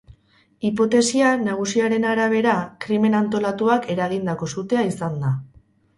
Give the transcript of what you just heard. Hipotesia nagusiaren arabera, krimen antolatuak eragindako sutea izan da.